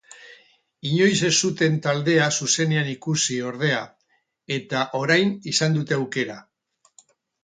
Inoiz ez zuten taldea zuzenean ikusi ordea, eta orain izan dute aukera.